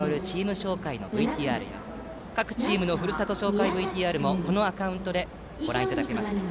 放送でご紹介した選手やマネージャーによるチーム紹介のＶＴＲや各チームのふるさと紹介ＶＴＲもこのアカウントでご覧いただけます。